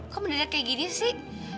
kok mendengar kayak gini sih